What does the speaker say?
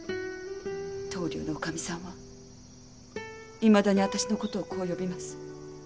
棟梁のお内儀さんはいまだに私の事をこう呼びます。